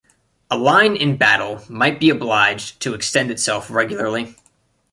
A line in battle might be obliged to extend itself regularly.